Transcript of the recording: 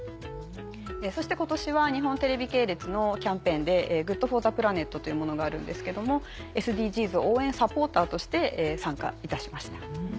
そして今年は日本テレビ系列のキャンペーンでＧｏｏｄＦｏｒｔｈｅＰｌａｎｅｔというものがあるんですけどもＳＤＧｓ応援サポーターとして参加いたしました。